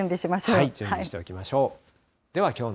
準備しておきましょう。